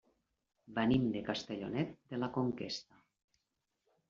Venim de Castellonet de la Conquesta.